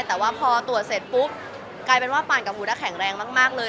แต่ว่าพอตรวจเสร็จปุ๊บกลายเป็นว่าปานกับวุฒิแข็งแรงมากเลย